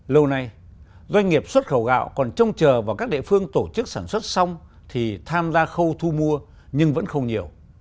lâu nay doanh nghiệp xuất khẩu gạo còn trông chờ vào các địa phương tổ chức sản xuất xong thì tham gia khâu thu mua nhưng vẫn không nhiều